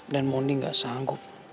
dan mondi gak sanggup